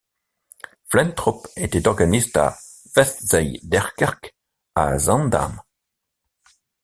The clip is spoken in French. Flentrop était organiste à l'Westzijderkerk à Zaandam.